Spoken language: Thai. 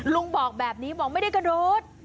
ลุงบอกแบบนี้บอกไม่ได้กระโดด